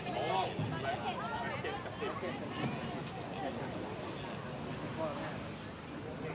ก็เป็นอยู่แค่นี้แต่วิโฟตัวนั้นนะมันมาอีกครั้ง